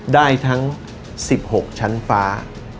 ได้ทั้ง๑๖ชั้นฟ้า